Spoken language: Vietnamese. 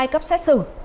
hai cấp xét xử